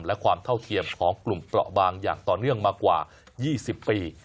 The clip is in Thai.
และความเท่าเทียมของกลุ่มเปราะบางอย่างต่อเนื่องมากว่า๒๐ปี